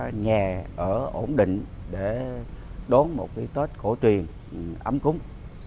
có nhà ở ổn định để đón một cái tết khổ truyền ấm cúng